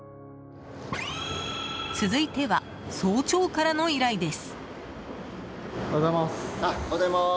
続いては、早朝からの依頼です。